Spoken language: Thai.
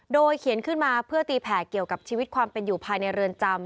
โดยเขียนขึ้นมาเพื่อตีแผ่เกี่ยวกับชีวิตความเป็นอยู่ภายในเรือนจำ